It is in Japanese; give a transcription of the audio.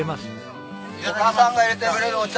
お母さんが入れてくれるお茶